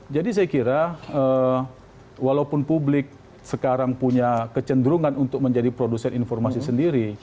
jadi saya kira walaupun publik sekarang punya kecenderungan untuk menjadi produser informasi sendiri